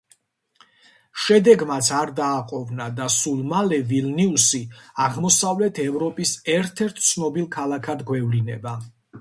შედეგმაც არ დააყოვნა და სულ მალე ვილნიუსი აღმოსავლეთ ევროპის ერთ–ერთ ცნობილ ქალაქად გვევლინება.